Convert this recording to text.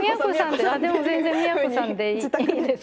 でも全然「都さん」でいいです。